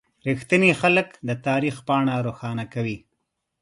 • رښتیني خلک د تاریخ پاڼه روښانه کوي.